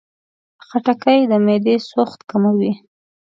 خټکی د معدې سوخت کموي.